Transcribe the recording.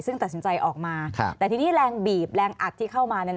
ซึ่งตัดสินใจออกมาแต่ทีนี้แรงบีบแรงอัดที่เข้ามา